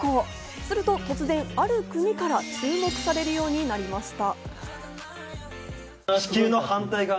すると突然、ある国から注目されるようになりました。